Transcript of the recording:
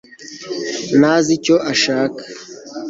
Ntazi icyo ashaka